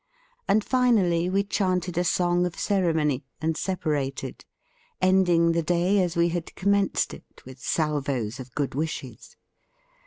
And finally we chanted a song of ceremony, and separated; ending the day as we had commenced it, with salvoes of good wishes.